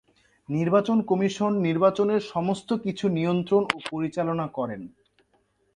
নির্বাচন কমিশন নির্বাচনের সমস্ত কিছু নিয়ন্ত্রণ ও পরিচালনা করে।